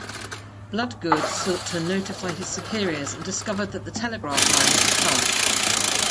Bloodgood sought to notify his superiors and discovered that the telegraph lines were cut.